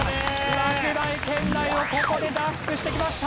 落第圏内をここで脱出してきました。